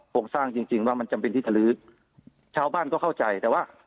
โครงสร้างจริงจริงว่ามันจำเป็นที่จะลื้อชาวบ้านก็เข้าใจแต่ว่า